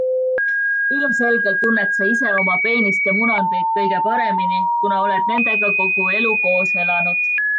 Ilmselgelt tunned sa ise oma peenist ja munandeid kõige paremini, kuna oled nendega kogu elu koos elanud.